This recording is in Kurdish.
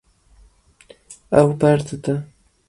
Ew berdide.